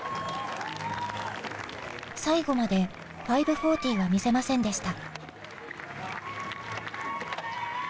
最後まで５４０は見せませんでした。